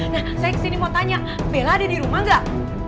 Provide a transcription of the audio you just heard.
nah saya kesini mau tanya bella ada di rumah nggak